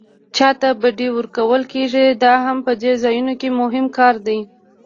چاته بډې ورکول کېږي دا هم په دې ځایونو کې مهم کار دی.